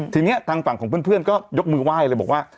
ทีนี้ทางฝั่งของเพื่อนก็ยกมือไหว้เลยบอกว่า